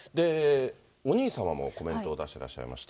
お兄様もコメントを出してらっしゃいまして。